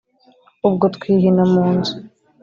Ubwo twihina mu nzu